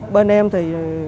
bên em thì